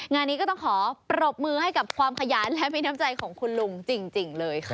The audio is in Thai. งานนี้ก็ต้องขอปรบมือให้กับความขยันและมีน้ำใจของคุณลุงจริงเลยค่ะ